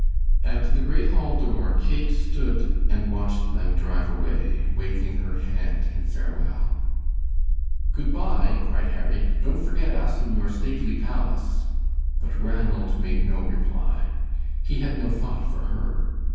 At the great hall door, Kate stood and watched them drive away, waving her hand in farewell. "Good by," cried Harry, "don't forget us in your stately palace," but Ranald made no reply. He had no thought for her.